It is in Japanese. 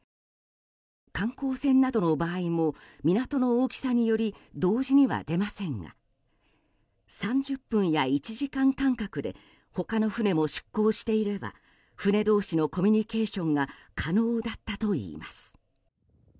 観光船などの場合も港の大きさにより同時には出ませんが３０分や１時間間隔で他の船も出港していれば船同士のコミュニケーションが可能だったといいます。